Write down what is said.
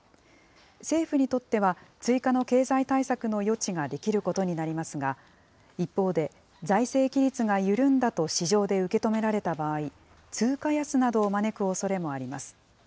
政府にとっては追加の経済対策の余地が出来ることになりますが、一方で財政規律が緩んだと市場で受け止められた場合、通貨安などを招くおそれもあります。